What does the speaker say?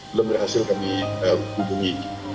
belum berhasil kami hubungi